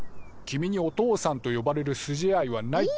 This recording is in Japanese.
君にお父さんと呼ばれる筋合いはない！